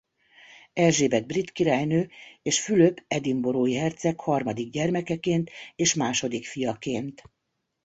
Erzsébet brit királynő és Fülöp edinburgh-i herceg harmadik gyermekeként és második fiaként.